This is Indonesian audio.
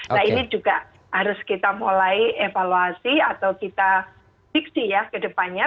nah ini juga harus kita mulai evaluasi atau kita fiksi ya ke depannya